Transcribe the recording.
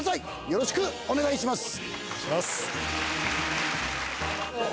よろしくお願いします。